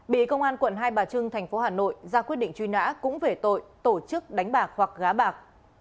bị công an quận hai bà trưng thành phố hà nội ra quyết định truy nã cũng về tội tổ chức đánh bạc hoặc gá bạc